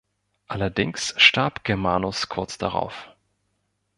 Allerdings starb Germanus kurz darauf.